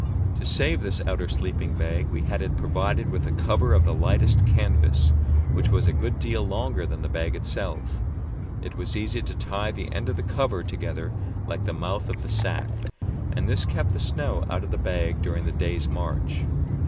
To save this outer sleeping bag, we had it provided with a cover of the lightest canvas, which was a good deal longer than the bag itself. It was easy to tie the end of the cover together like the mouth of the sack, and this kept the snow out of the bag during the day's march.